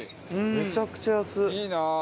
めちゃくちゃ安っ！